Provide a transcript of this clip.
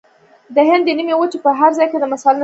د هند د نیمې وچې په هر ځای کې دا مثالونه شته.